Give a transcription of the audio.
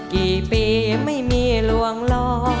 กี่ปีไม่มีลวงล้อ